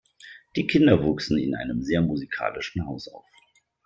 Die Kinder wuchsen in einem sehr musikalischen Haus auf.